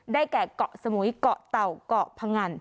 ได้แก่เกาะสมุยเกาะเตาะเกาะพำอัน